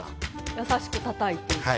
優しくたたいていく。